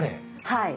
はい。